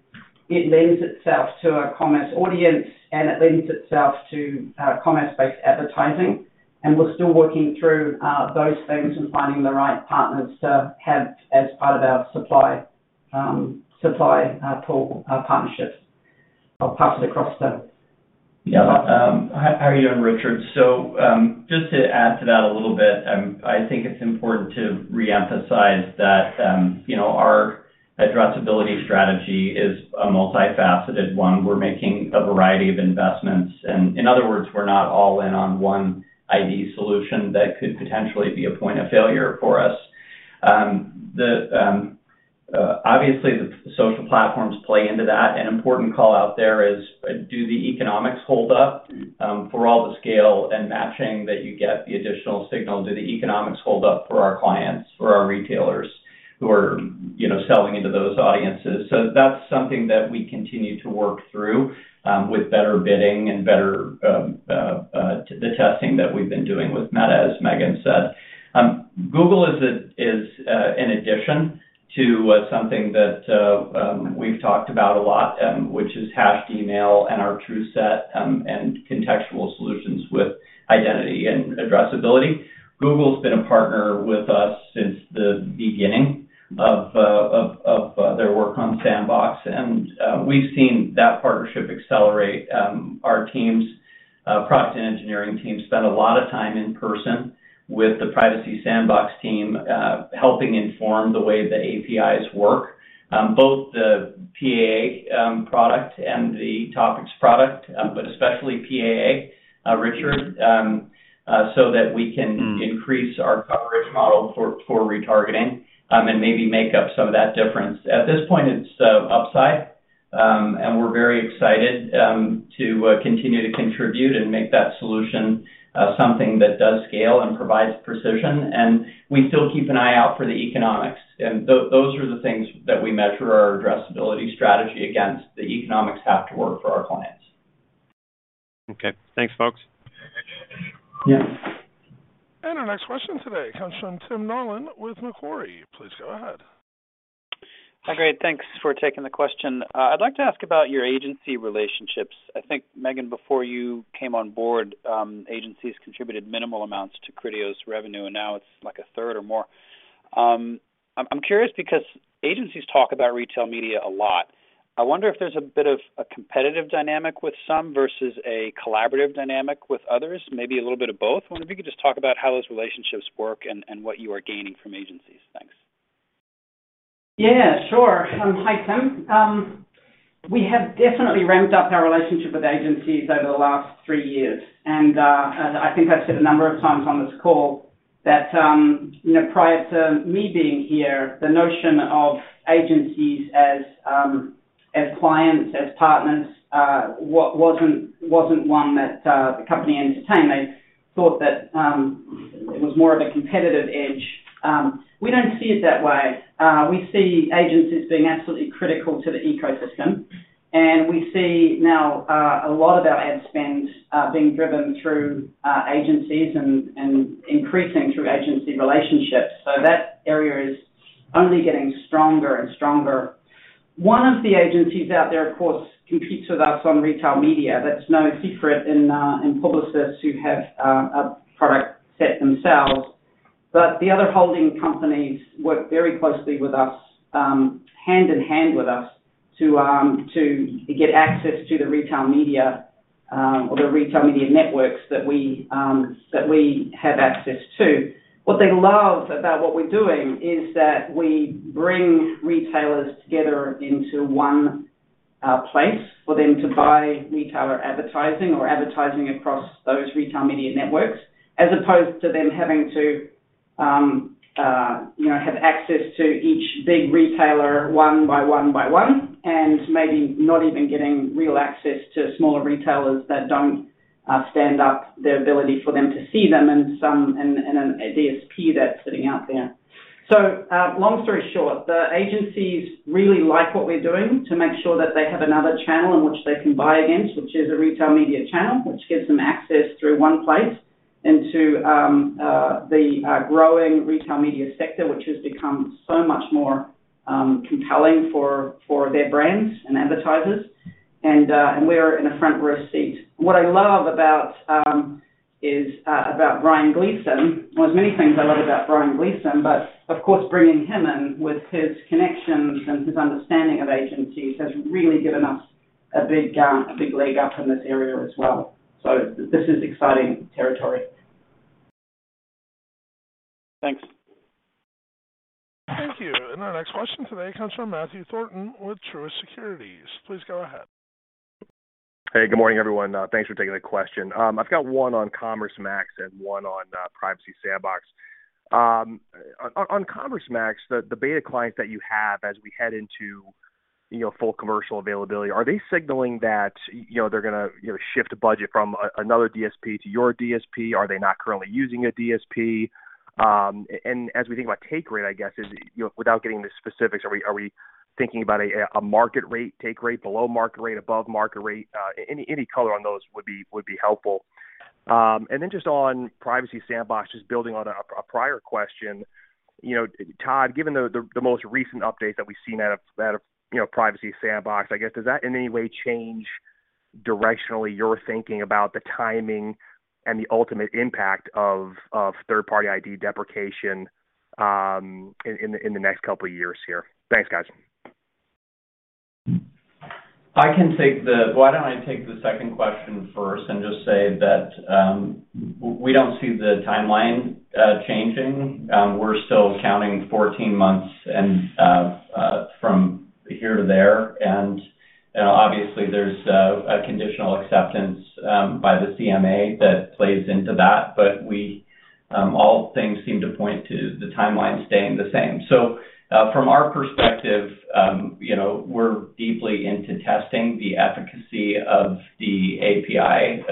Speaker 3: which it lends itself to a commerce audience and it lends itself to commerce-based advertising. We're still working through those things and finding the right partners to have as part of our supply pool partnerships. I'll pass it across to Todd.
Speaker 6: Yeah. How are you doing, Richard? Just to add to that a little bit, I think it's important to reemphasize that, you know, our addressability strategy is a multifaceted one. We're making a variety of investments. In other words, we're not all in on one ID solution that could potentially be a point of failure for us. The obviously the social platforms play into that. An important call out there is, do the economics hold up for all the scale and matching that you get the additional signal? Do the economics hold up for our clients, for our retailers who are, you know, selling into those audiences? That's something that we continue to work through with better bidding and better the testing that we've been doing with Meta, as Megan said. Google is an addition to something that we've talked about a lot, which is hashed email and our TrueSet and contextual solutions with identity and addressability. Google's been a partner with us since the beginning of their work on Sandbox, and we've seen that partnership accelerate. Our teams, product and engineering teams spend a lot of time in person with the Privacy Sandbox team, helping inform the way the APIs work. Both the PAA product and the Topics product, but especially PAA, Richard, so that we can increase our coverage model for retargeting and maybe make up some of that difference. At this point, it's upside, and we're very excited to continue to contribute and make that solution something that does scale and provides precision. We still keep an eye out for the economics. Those are the things that we measure our addressability strategy against. The economics have to work for our clients.
Speaker 10: Okay. Thanks, folks.
Speaker 3: Yeah.
Speaker 1: Our next question today comes from Tim Nollen with Macquarie. Please go ahead.
Speaker 11: Hi, great. Thanks for taking the question. I'd like to ask about your agency relationships. I think, Megan, before you came on board, agencies contributed minimal amounts to Criteo's revenue. Now it's like a third or more. I'm curious because agencies talk about retail media a lot. I wonder if there's a bit of a competitive dynamic with some versus a collaborative dynamic with others, maybe a little bit of both. I wonder if you could just talk about how those relationships work and what you are gaining from agencies. Thanks.
Speaker 3: Yeah, sure. Hi, Tim. We have definitely ramped up our relationship with agencies over the last three years. I think I've said a number of times on this call that, you know, prior to me being here, the notion of agencies as clients, as partners, wasn't one that the company entertained. They thought that it was more of a competitive edge. We don't see it that way. We see agencies being absolutely critical to the ecosystem, and we see now a lot of our ad spend being driven through agencies and increasing through agency relationships. That area is only getting stronger and stronger. One of the agencies out there, of course, competes with us on retail media. That's no secret in Publicis who have a product set themselves. The other holding companies work very closely with us, hand-in-hand with us to get access to the retail media or the retail media networks that we have access to. What they love about what we're doing is that we bring retailers together into one place for them to buy retailer advertising or advertising across those retail media networks, as opposed to them having to, you know, have access to each big retailer one by one by one, and maybe not even getting real access to smaller retailers that don't stand up the ability for them to see them and a DSP that's sitting out there. long story short, the agencies really like what we're doing to make sure that they have another channel in which they can buy against, which is a retail media channel, which gives them access through one place into the growing retail media sector, which has become so much more compelling for their brands and advertisers. we're in a front row seat. What I love about Brian Gleason, well, there's many things I love about Brian Gleason, but of course, bringing him in with his connections and his understanding of agencies has really given us a big leg up in this area as well. This is exciting territory.
Speaker 11: Thanks.
Speaker 1: Thank you. Our next question today comes from Matthew Thornton with Truist Securities. Please go ahead.
Speaker 12: Hey, good morning, everyone. Thanks for taking the question. I've got one on Commerce Max and one on Privacy Sandbox. On Commerce Max, the beta clients that you have as we head into, you know, full commercial availability, are they signaling that, you know, they're gonna, you know, shift budget from another DSP to your DSP? Are they not currently using a DSP? As we think about take rate, I guess, is, you know, without getting into specifics, are we thinking about a market rate take rate below market rate, above market rate? Any color on those would be helpful. Just on Privacy Sandbox, just building on a prior question. You know, Todd, given the most recent updates that we've seen out of, you know, Privacy Sandbox, I guess, does that in any way change directionally your thinking about the timing and the ultimate impact of third-party ID deprecation in the next couple of years here? Thanks, guys.
Speaker 6: I can take the Why don't I take the second question first and just say that we don't see the timeline changing. We're still counting 14 months and from here to there. You know, obviously there's a conditional acceptance by the CMA that plays into that. We, all things seem to point to the timeline staying the same. From our perspective, you know, we're deeply into testing the efficacy of the API.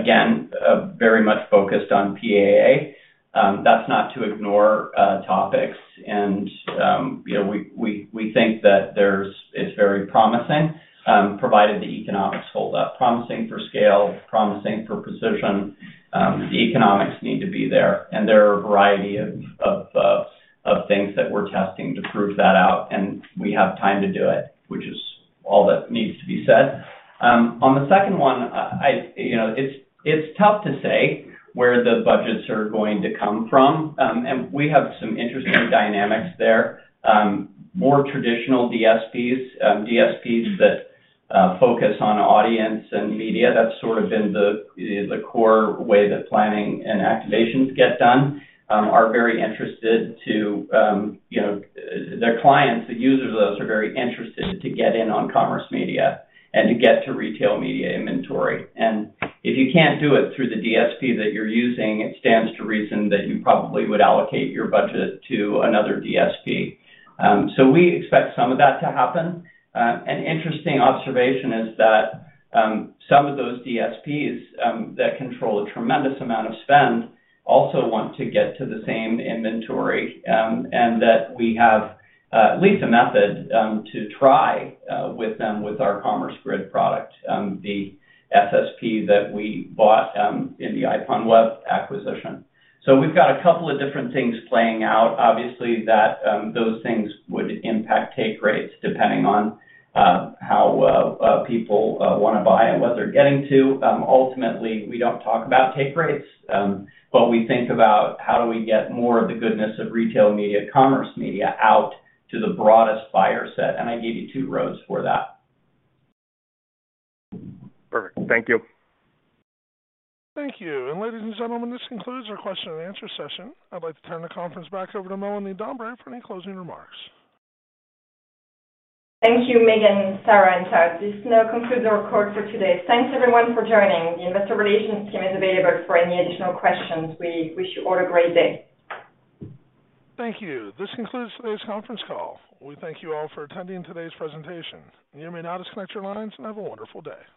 Speaker 6: Again, very much focused on PAA. That's not to ignore topics. You know, we think that it's very promising, provided the economics hold up. Promising for scale, promising for precision. The economics need to be there. There are a variety of things that we're testing to prove that out, and we have time to do it, which is all that needs to be said. On the second one, I, you know, it's tough to say where the budgets are going to come from. We have some interesting dynamics there. More traditional DSPs that focus on audience and media, that's sort of been the core way that planning and activations get done, are very interested to, you know. Their clients, the users of those, are very interested to get in on commerce media and to get to retail media inventory. If you can't do it through the DSP that you're using, it stands to reason that you probably would allocate your budget to another DSP. We expect some of that to happen. An interesting observation is that some of those DSPs that control a tremendous amount of spend also want to get to the same inventory, and that we have at least a method to try with them with our Commerce Grid product, the SSP that we bought in the Iponweb acquisition. We've got a couple of different things playing out, obviously, that those things would impact take rates depending on how people wanna buy and what they're getting to. Ultimately, we don't talk about take rates, but we think about how do we get more of the goodness of retail media, commerce media out to the broadest buyer set, and I gave you two rows for that.
Speaker 12: Perfect. Thank you.
Speaker 1: Thank you. Ladies and gentlemen, this concludes our question and answer session. I'd like to turn the conference back over to Melanie Dambre for any closing remarks.
Speaker 3: Thank you, Megan, Sarah, and Todd. This now concludes our call for today. Thanks, everyone, for joining. The investor relations team is available for any additional questions. We wish you all a great day.
Speaker 1: Thank you. This concludes today's conference call. We thank you all for attending today's presentation. You may now disconnect your lines and have a wonderful day.